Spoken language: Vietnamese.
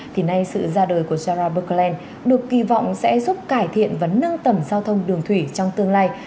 thì nay sự ra đời của charaburglen được kỳ vọng sẽ giúp cải thiện và nâng tầm giao thông đường thủy trong tương lai